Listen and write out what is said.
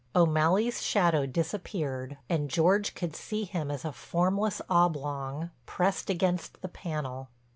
O'Malley's shadow disappeared, and George could see him as a formless oblong, pressed against the panel.